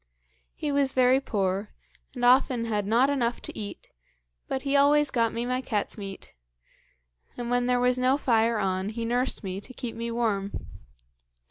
He was very poor, and often had not enough to eat, but he always got me my cat's meat; and when there was no fire on, he nursed me to keep me warm.